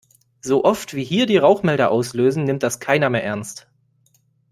So oft, wie hier die Rauchmelder auslösen, nimmt das keiner mehr ernst.